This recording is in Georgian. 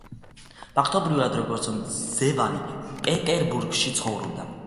ფაქტობრივად როგორც მძევალი, პეტერბურგში ცხოვრობდა.